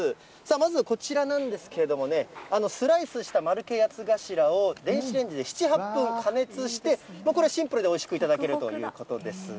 まずはこちらなんですけれどもね、スライスした丸系八つ頭を、電子レンジで７、８分加熱して、これシンプルでおいしく頂けるということです。